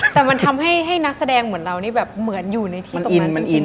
แต่มันทำให้นักแสดงเหมือนเรานี่แบบเหมือนอยู่ในที่ตรงนั้นจริง